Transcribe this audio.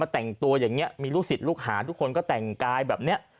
แต่งตัวอย่างนี้มีลูกศิษย์ลูกหาทุกคนก็แต่งกายแบบนี้